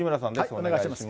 お願いします。